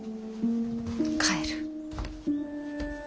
帰る。